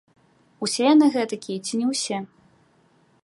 Усе яны гэтакія ці не ўсе?